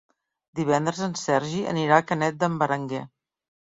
Divendres en Sergi anirà a Canet d'en Berenguer.